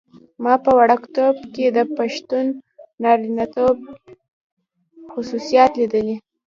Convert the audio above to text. ما په وړکتوب کې د پښتون نارینتوب خصوصیات لیدلي.